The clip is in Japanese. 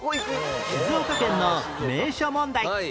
静岡県の名所問題